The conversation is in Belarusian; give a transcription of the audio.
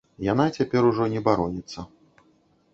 Яна цяпер ужо не бароніцца.